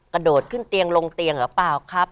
กระโดดขึ้นเตียงลงเตียงหรือเปล่าครับ